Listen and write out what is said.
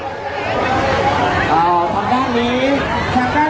ขอบคุณมากนะคะแล้วก็แถวนี้ยังมีชาติของ